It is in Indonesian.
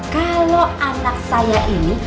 kalau anak saya ini